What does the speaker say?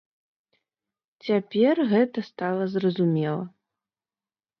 Цяпер гэта стала зразумела.